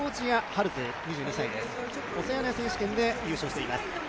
オセアニア選手権で優勝しています。